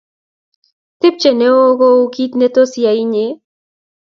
Tepche neo kou kit ne tos iyay inye